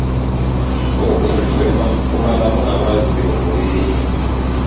Okusesema kumalamu amazzi mu mubiri.